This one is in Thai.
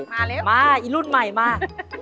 มาแล้วมาอีรุ่นใหม่มา